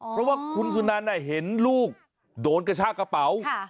เพราะว่าคุณสุนันเห็นลูกโดนกระชากระเป๋า